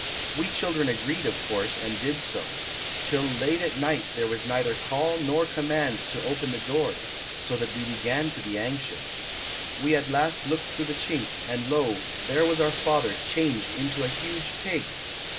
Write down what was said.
"We children agreed, of course, and did so. Till late at night there was neither call nor command to open the door, so that we began to be anxious. We at last looked through the chink, and lo, there was our father changed into a huge pig!